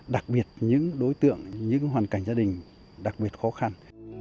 đặc biệt những đối tượng những hoàn cảnh gia đình đặc biệt khó khăn